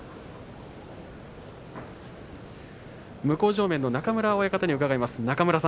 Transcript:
向正面の中村親方に伺います。